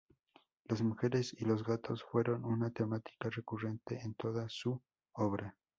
Las mujeres y los gatos fueron una temática recurrente en toda su obra.